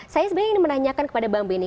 saya sebenarnya ingin menanyakan kepada bang benny